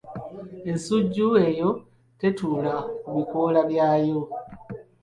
Ensujju eyo tetuula ku bikoola byayo.